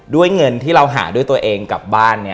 ด้วยเงินที่เราหาด้วยตัวเองกลับบ้าน